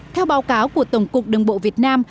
theo báo cáo của tổng cục đường bộ việt nam